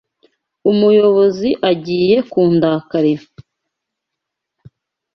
Umuyobozi agiye kundakarira.